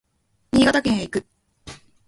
新潟県へ行く